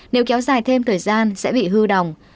nếu kéo dài thêm thời gian sẽ bị hư đồng